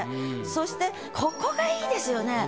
そしてここがいいですよね。